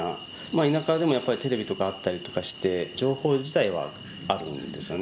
田舎でもテレビとかあったりとかして情報自体はあるんですよね。